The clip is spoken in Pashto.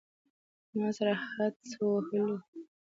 ما سره حدس وهلو.